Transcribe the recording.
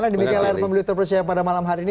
demikian layar pemilu terpercaya pada malam hari ini